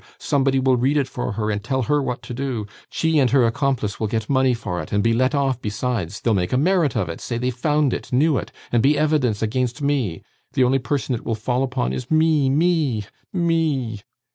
Somebody will read it for her, and tell her what to do. She and her accomplice will get money for it and be let off besides; they'll make a merit of it say they found it knew it and be evidence against me. The only person it will fall upon is me, me, me!